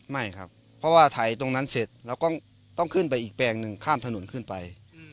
ไม่ครับเพราะว่าไถตรงนั้นเสร็จเราก็ต้องขึ้นไปอีกแปลงหนึ่งข้ามถนนขึ้นไป